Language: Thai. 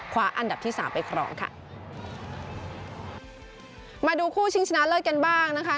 อันดับที่สามไปครองค่ะมาดูคู่ชิงชนะเลิศกันบ้างนะคะ